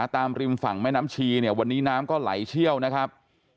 ริมฝั่งแม่น้ำชีเนี่ยวันนี้น้ำก็ไหลเชี่ยวนะครับ